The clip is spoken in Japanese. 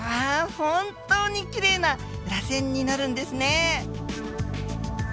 本当にきれいならせんになるんですね。